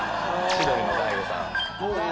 「千鳥の大悟さん」